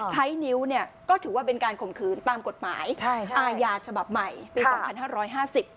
ใช้นิ้วก็ถือว่าเป็นการข่มคืนตามกฎหมายอายาทฉบับใหม่ปี๒๕๕๐